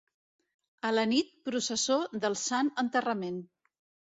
A la nit, processó del Sant Enterrament.